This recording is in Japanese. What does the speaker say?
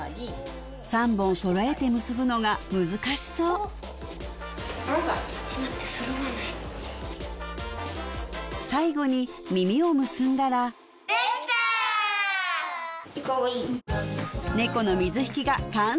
３本そろえて結ぶのが難しそう最後に耳を結んだらできた！